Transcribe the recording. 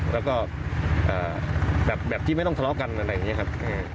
แล้วก็แบบที่ไม่ต้องทะเลาะกันอะไรอย่างนี้ครับ